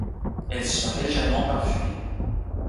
Elles sont légèrement parfumées.